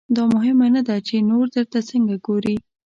دا مهمه نه ده چې نور درته څنګه ګوري.